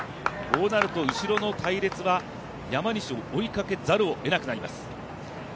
こうなると後ろの隊列は山西を追いかけざるを得なくなります。